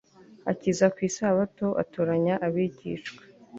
akiza ku isabato atoranya abigishwa